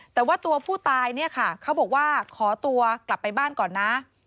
แต่ว่าตัวผู้ตายเนี่ยค่ะเขาบอกว่าขอตัวกลับไปบ้านก่อนนะ